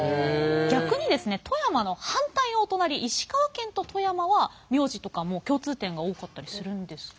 逆にですね富山の反対のお隣石川県と富山は名字とかも共通点が多かったりするんですか？